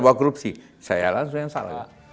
bahwa korupsi saya langsung yang salah